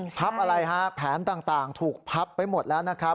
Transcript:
พับอะไรฮะแผนต่างถูกพับไปหมดแล้วนะครับ